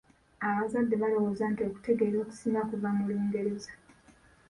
Abazadde balowooza nti okutegeera okusinga kuva mu Lungereza.